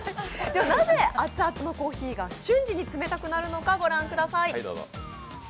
なぜ熱々のコーヒーが瞬時に冷たくなるのか御覧ください。